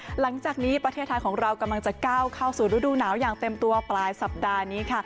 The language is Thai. ซากก็คือหลังจากนี้ประเทศธรรมของเรากำลังจะก้าวเข้าสู่รูดูหนาวอย่างเต็มตัวปลายสัปดายนี้